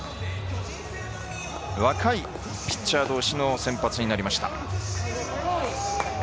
若いピッチャーどうしの先発になりました。